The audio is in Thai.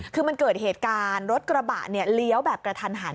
คือมันเกิดเหตุการณ์รถกระบะเนี่ยเลี้ยวแบบกระทันหัน